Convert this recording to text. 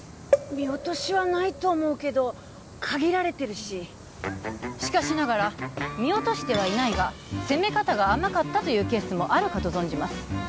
見落としはないと思うけど限られてるししかしながら見落としてはいないが攻め方が甘かったというケースもあるかと存じます